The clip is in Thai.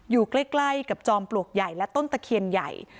อยู่ใกล้กับจอมปลวกใหญ่และต้นตะเคียนใหญ่